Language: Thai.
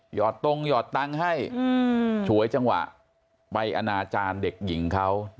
อดตรงหยอดตังค์ให้ฉวยจังหวะไปอนาจารย์เด็กหญิงเขา